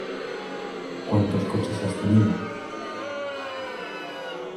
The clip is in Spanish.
¿Cuántos coches has tenido?